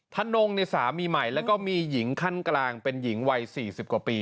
นงสามีใหม่แล้วก็มีหญิงขั้นกลางเป็นหญิงวัย๔๐กว่าปี